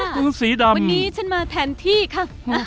วันนี้ฉันมาแทนที่ค่ะ